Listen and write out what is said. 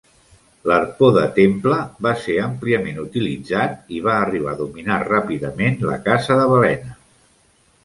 L'arpó de Temple va ser àmpliament utilitzat i va arribar a dominar ràpidament la caça de balenes.